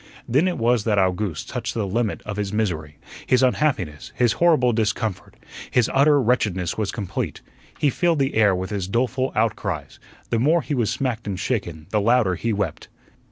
Then it was that Owgooste touched the limit of his misery, his unhappiness, his horrible discomfort; his utter wretchedness was complete. He filled the air with his doleful outcries. The more he was smacked and shaken, the louder he wept.